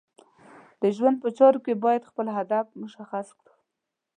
د ژوند په چارو کې باید خپل هدف مشخص کړو.